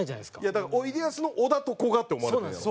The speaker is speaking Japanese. だから「おいでやす」の「小田」と「こが」って思われてるんやろ。